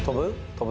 飛ぶ？